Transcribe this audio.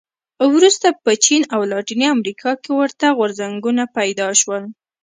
وروسته په چین او لاتینې امریکا کې ورته غورځنګونه پیدا شول.